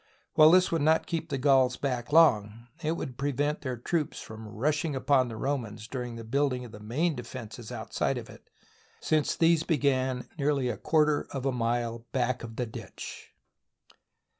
While this would not keep the Gauls back long, it would prevent their troops from rushing upon the Romans during the building of the main defences outside of it, since these began nearly a quarter of a mile back of the ditch.